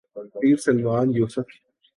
Pir Salman Yusuf.